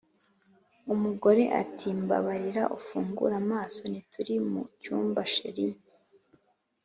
umugore ati"mbabarira ufungure amaso ntituri mu cyumba sheriiiiiiiiiiiiiii".